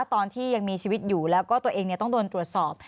ตอนที่ยังมีชีวิตอยู่แล้วก็ตัวเองต้องโดนตรวจสอบ